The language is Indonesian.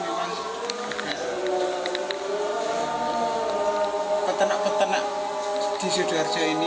harapan kami memang agar peternak peternak di sidoarjo ini